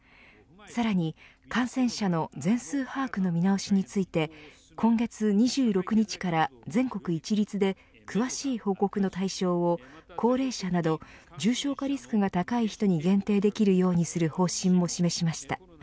さらに感染者の全数把握の見直しについて今月２６日から全国一律で詳しい報告の対象を高齢者など重症化リスクが高い人に限定できるようにする方針も示しました。